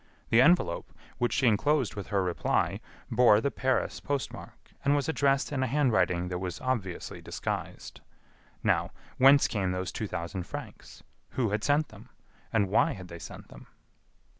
The envelope, which she enclosed with her reply, bore the Paris post mark, and was addressed in a handwriting that was obviously disguised. Now, whence came those two thousand francs? Who had sent them? And why had they sent them?